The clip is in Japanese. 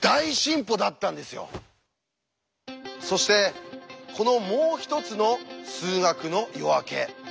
そしてこの「もう一つの数学の夜明け」。